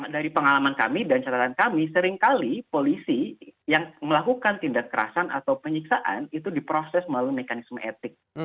dari pengalaman kami dan catatan kami seringkali polisi yang melakukan tindak kerasan atau penyiksaan itu diproses melalui mekanisme etik